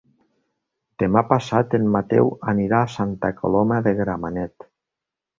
Demà passat en Mateu anirà a Santa Coloma de Gramenet.